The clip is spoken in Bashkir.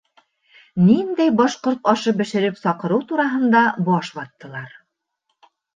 Ниндәй башҡорт ашы бешереп саҡырыу тураһында баш ваттылар.